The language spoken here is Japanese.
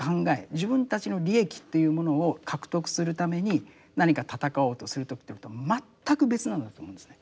自分たちの利益というものを獲得するために何か闘おうとするということとは全く別なんだと思うんですね。